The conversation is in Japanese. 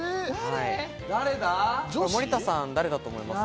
森田さん、誰だと思いますか？